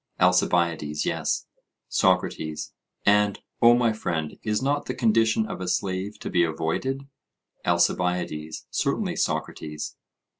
ALCIBIADES: Yes. SOCRATES: And, O my friend, is not the condition of a slave to be avoided? ALCIBIADES: Certainly, Socrates.